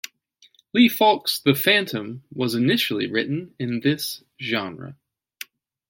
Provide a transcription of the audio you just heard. Lee Falk's "The Phantom" was initially written in this genre.